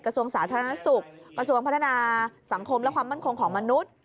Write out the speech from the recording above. กระทรวงสาธารณสุขกระทรวงพัฒนาสังคมและความมั่นคงของมนุษย์